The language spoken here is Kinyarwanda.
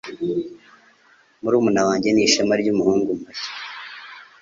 Murumuna wanjye ni ishema ryumuhungu mushya